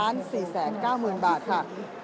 ที่๕๔๙๐๐๐๐บาทค่ะ